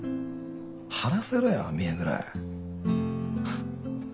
張らせろよ見えぐらい。